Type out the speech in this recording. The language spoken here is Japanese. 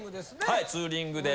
はいツーリングで。